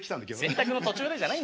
「洗濯の途中で」じゃないんですよ。